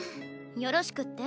よろしくって？